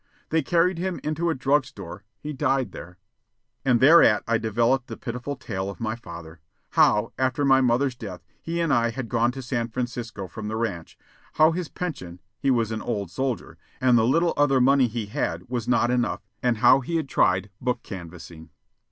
They carried him into a drug store. He died there." And thereat I developed the pitiful tale of my father how, after my mother's death, he and I had gone to San Francisco from the ranch; how his pension (he was an old soldier), and the little other money he had, was not enough; and how he had tried book canvassing.